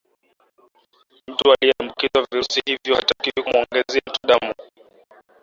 mtu aliyeambukizwa virusi hivyo hatakiwi kumuongezea mtu damu